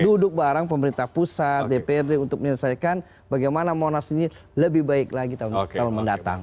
duduk bareng pemerintah pusat dprd untuk menyelesaikan bagaimana monas ini lebih baik lagi tahun mendatang